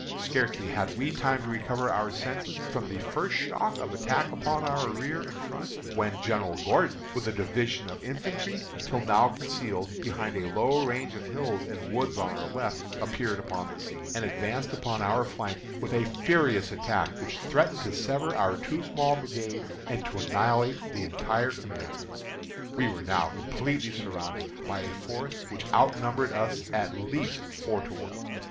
Scarcely had we time to recover our senses from the first shock of attack upon our rear and front, when General Gordon, with a division of infantry, until now concealed behind a low range of hills and woods on our left, appeared upon the scene, and advanced upon our flank with a furious attack, which threatened to sever our two small brigades and to annihilate the entire command. We were now completely surrounded by a force which outnumbered us at least four to one.